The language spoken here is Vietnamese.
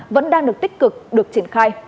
vẫn đang được tích cực được triển khai